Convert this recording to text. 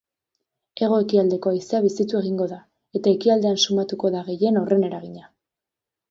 Hego-ekialdeko haizea bizitu egingo da, eta ekialdean sumatuko da gehien horren eragina.